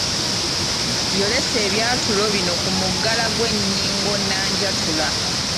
Yolesa ebyatulo bino ku mugala gw’ennyingo nnanjatula.